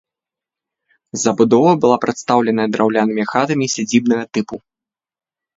Забудова была прадстаўлена драўлянымі хатамі сядзібнага тыпу.